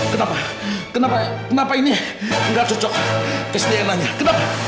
kenapa kenapa ini nggak cocok tes dna nya kenapa